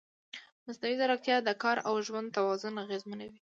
مصنوعي ځیرکتیا د کار او ژوند توازن اغېزمنوي.